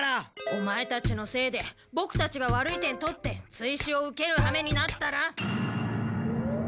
オマエたちのせいでボクたちが悪い点取って追試を受けるはめになったら。